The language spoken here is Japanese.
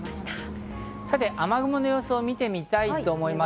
さて雨雲の予想を見てみたいと思います。